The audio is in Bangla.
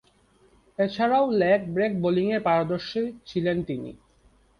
এছাড়াও, লেগ ব্রেক বোলিংয়ে পারদর্শী ছিলেন তিনি।